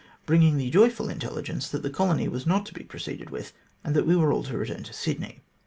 bringing the joyful intelligence that the colony was not to be proceeded with, and that we were all to return to Sydney.